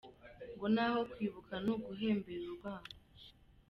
Ngo naho kwibuka ni uguhembera urwango !